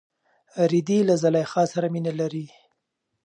رېدی له زلیخا سره مینه لري.